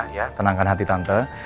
ya tenangkan hati tante